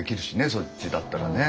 そっちだったらね。